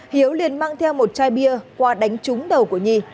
hiếu liền mang theo một chai bia qua đánh trúng đầu của nhi